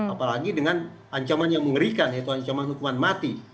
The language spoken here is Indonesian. apalagi dengan ancaman yang mengerikan yaitu ancaman hukuman mati